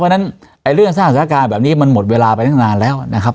เพราะฉะนั้นเรื่องสร้างสถานการณ์แบบนี้มันหมดเวลาไปตั้งนานแล้วนะครับ